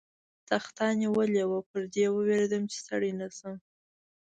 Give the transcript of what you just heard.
تخته نیولې وه، پر دې وېرېدم، چې ستړی نه شم.